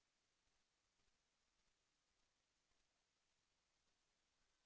แสวได้ไงของเราก็เชียนนักอยู่ค่ะเป็นผู้ร่วมงานที่ดีมาก